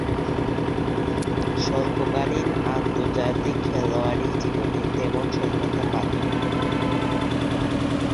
স্বল্পকালীন আন্তর্জাতিক খেলোয়াড়ী জীবনে তেমন সফলতা পাননি।